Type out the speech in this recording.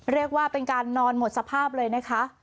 เรียกว่าเป็นการนอนหมดสภาพเลยนะคะ